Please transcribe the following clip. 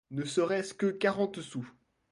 Ne serait-ce que quarante sous.